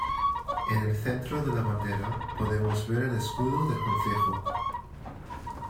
En el centro de la bandera, podemos ver el escudo del concejo.